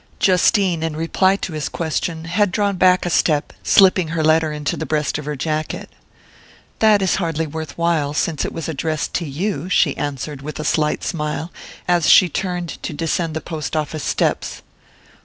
Justine, in reply to his question, had drawn back a step, slipping her letter into the breast of her jacket. "That is hardly worth while, since it was addressed to you," she answered with a slight smile as she turned to descend the post office steps.